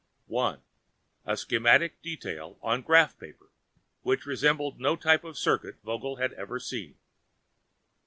One: A schematic detail on graph paper which resembled no type of circuit Vogel had ever seen.